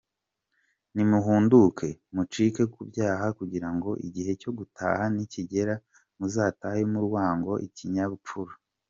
Nimuhunduke mucike ku byaha kugira ngo igihe cyo gutaha nikigera muzatahe murangwaho ikinyabupfura.